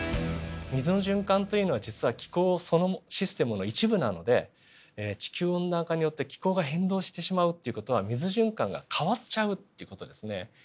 水の循環というのは実は気候そのシステムの一部なので地球温暖化によって気候が変動してしまうっていう事は水循環が変わっちゃうって事ですね。